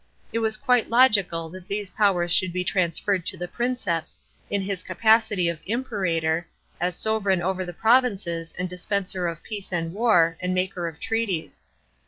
It was quite logical that these powers should be transferred to the Princeps, in his capacity of Impevator, as sovran over the provinces and disi enser of peace and war, and maker of treaties.